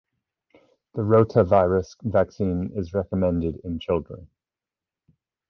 The rotavirus vaccine is recommended in children.